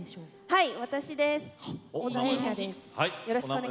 はい。